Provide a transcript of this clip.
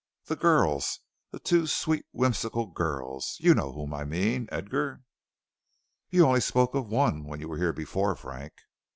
"The girls, the two sweet whimsical girls. You know whom I mean, Edgar." "You only spoke of one when you were here before, Frank."